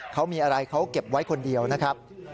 เขามีอะไรเขาเก็บไว้คนเดียวนะครับ